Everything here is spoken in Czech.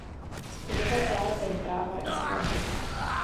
Studoval zároveň práva i skladbu.